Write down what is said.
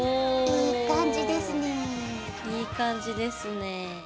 いい感じですね。